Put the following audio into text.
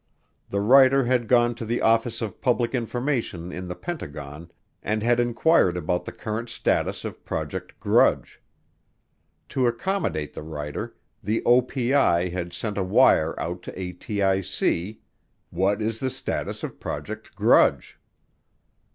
The writer had gone to the Office of Public Information in the Pentagon and had inquired about the current status of Project Grudge. To accommodate the writer, the OPI had sent a wire out to ATIC: What is the status of Project Grudge?